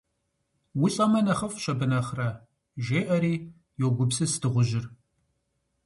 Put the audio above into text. УлӀэмэ, нэхъыфӀщ, абы нэхърэ, жеӏэри йогупсыс дыгъужьыр.